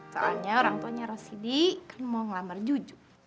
soalnya orangtuanya rosidi kan mau ngelamar jujur